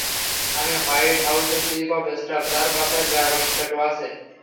আমি হোয়াইট হাউসের chief of staff, যার পাছায় ড্রাগন ট্যাটু আছে!